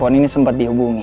handphone ini sempat dihubungi